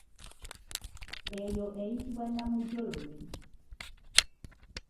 Eyo eyitibwa namujolobe.